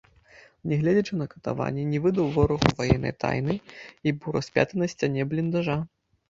Нягледзячы на катаванні, не выдаў ворагу ваеннай тайны і быў распяты на сцяне бліндажа.